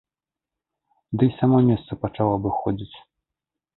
Ды й само месца пачаў абыходзіць.